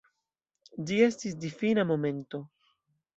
Ĝi estis difina momento.